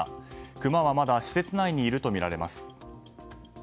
クマはまだ施設内にいるとみられます。